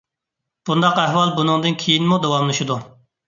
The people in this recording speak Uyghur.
بۇنداق ئەھۋال بۇنىڭدىن كېيىنمۇ داۋاملىشىدۇ.